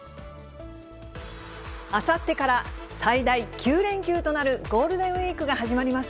あさってから最大９連休となるゴールデンウィークが始まります。